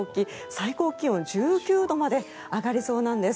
最高気温１９度まで上がりそうなんです。